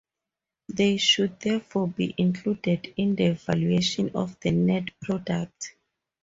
They should therefore be included in the valuation of the net product.